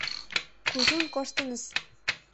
— Кужун коштыныс.